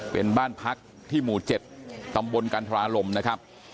เป็นบ้านพักที่หมู่๗ตำบลกันทราลมนะครับ